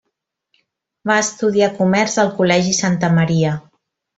Va estudiar comerç al Col·legi Santa Maria.